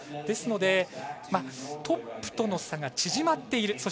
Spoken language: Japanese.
ですのでトップとの差が縮まっている。